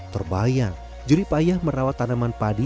terbayang juri payah merawat tanaman padi